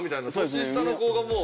年下の子がもう。